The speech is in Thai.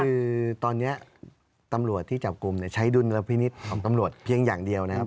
คือตอนนี้ตำรวจที่จับกลุ่มใช้ดุลพินิษฐ์ของตำรวจเพียงอย่างเดียวนะครับ